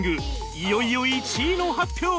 いよいよ１位の発表！